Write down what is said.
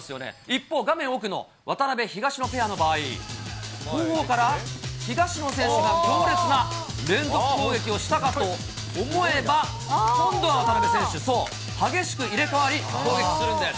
一方、画面奥の渡辺・東野ペアの場合、後方から東野選手が強烈な連続攻撃をしたかと思えば、今度は渡辺選手、そう、激しく入れ代わり、攻撃するんです。